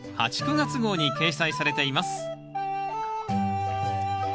９月号に掲載されています